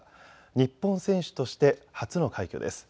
日本選手として初の快挙です。